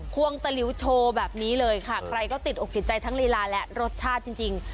ควงตะหลิวโชว์แบบนี้เลยค่ะใครก็ติดอกติดใจทั้งลีลาและรสชาติจริง